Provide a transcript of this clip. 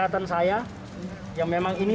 atas kasus dugaan penis